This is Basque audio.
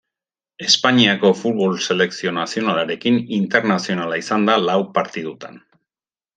Espainiako futbol selekzio nazionalarekin internazionala izan da lau partidutan.